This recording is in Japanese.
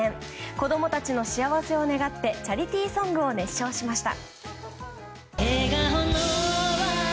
子供たちの幸せを願ってチャリティーソングを熱唱しました。